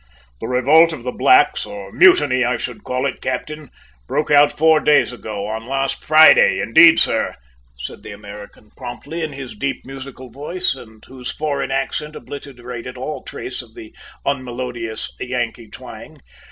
"The revolt of the blacks, or mutiny, I should call it, captain, broke out four days ago, on last Friday, indeed, sir," said the American promptly in his deep musical voice, and whose foreign accent obliterated all trace of the unmelodious Yankee twang.